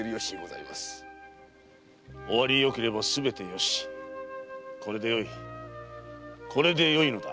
終わりよければすべてよしこれでよいこれでよいのだ。